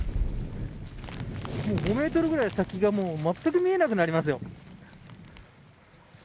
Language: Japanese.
５メートルぐらい先がまったく見えなくなりますよ。